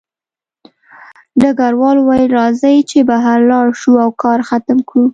ډګروال وویل راځئ چې بهر لاړ شو او کار ختم کړو